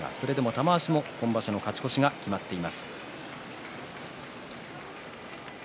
玉鷲、今場所の勝ち越しが決まっています。